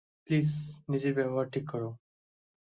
Please, নিজের ব্যবহার ঠিক করো।